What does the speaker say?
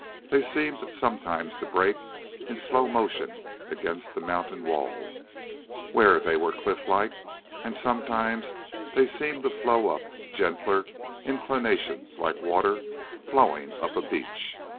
They seemed sometimes to break in slow motion against the mountain walls where they were cliff like, and sometimes they seemed to flow up gentler inclinations like water flowing up a beach.